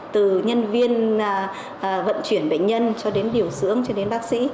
từ nhân viên vận chuyển bệnh nhân cho đến điều dưỡng cho đến bác sĩ